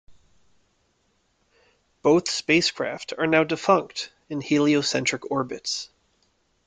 Both spacecraft are now defunct in heliocentric orbits.